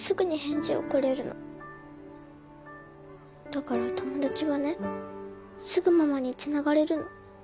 だから友達はねすぐママにつながれるの。